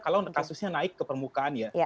kalau kasusnya naik ke permukaan ya